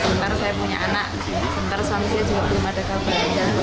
sementara saya punya anak sementara suami saya juga belum ada kabar